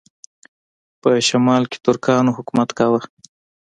په شمال کې ترکانو حکومت کاوه.